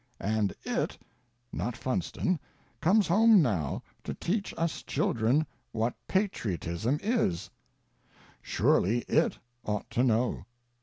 And It — not Funston — comes home now, to teach us chil dren what Patriotism is ! Surely It ought to know.